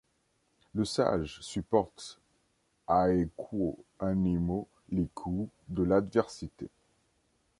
Le sage supporte aequo animo les coups de l'adversité.